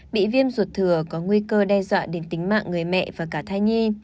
bị viêm ruột thừa có nguy cơ đe dọa đến tính mạng người mẹ và cả thai nhi